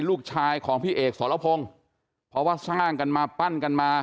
ลูกชายของพี่เอกสรพงศ์เพราะว่าสร้างกันมาปั้นกันมา